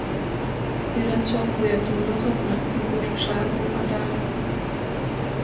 Ирацәоуп уи аҭоурых аҟны игәырԥшаагоу адаҟьақәа.